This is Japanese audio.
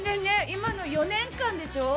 今の４年間でしょう？